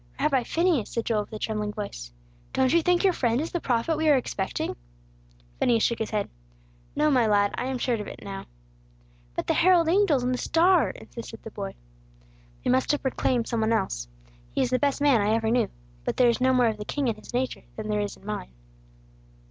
"Rabbi Phineas," said Joel, with a trembling voice, "don't you think your friend is the prophet we are expecting?" Phineas shook his head. "No, my lad, I am sure of it now." "But the herald angels and the star," insisted the boy. "They must have proclaimed some one else. He is the best man I ever knew; but there is no more of the king in His nature, than there is in mine."